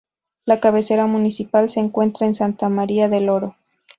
La cabecera municipal se encuentra en Santa María del Oro.